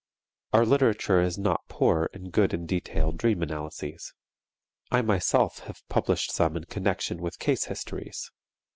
Our literature is not poor in good and detailed dream analyses. I myself have published some in connection with case histories.